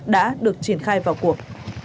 đã được triển khai vào cuộc